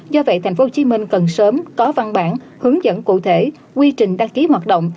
do vậy tp hcm cần sớm có văn bản hướng dẫn cụ thể quy trình đăng ký hoạt động